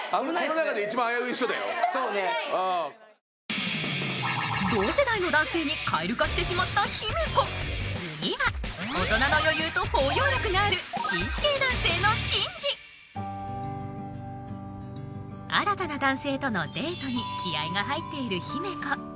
普段同世代の男性にカエル化してしまった姫子次は大人の余裕と包容力がある紳士系男性の紳士新たな男性とのデートに気合いが入っている姫子